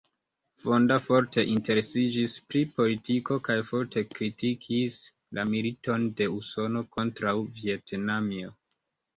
Fonda forte interesiĝis pri politiko kaj forte kritikis la militon de Usono kontraŭ Vjetnamio.